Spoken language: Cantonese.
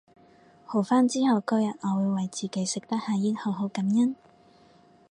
好返之後嗰日我會為自己食得下嚥好好感恩